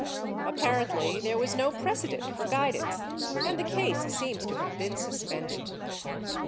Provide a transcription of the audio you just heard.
Apparently there was no precedent for guidance and the case seems to have been suspended.